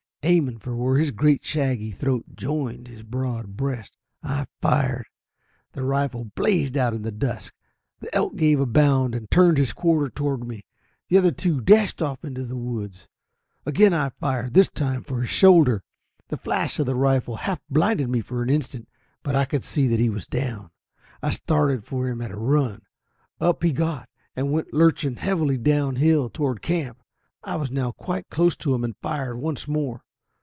Aiming for where his great shaggy throat joined his broad breast I fired. The rifle blazed out in the dusk; the elk gave a bound, and turned his quarter toward me; the other two dashed off into the woods. Again I fired; this time for his shoulder. The flash of the rifle half blinded me for an instant, but I could see that he was down. I started for him at a run. Up he got, and went lurching heavily down hill toward camp. I was now quite close to him, and fired once more.